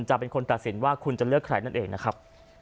จะเป็นคนตัดสินว่าคุณจะเลือกใครนั่นเองนะครับ